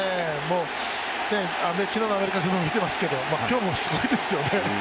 昨日、アメリカ戦でも見てますけど、すごいですよね。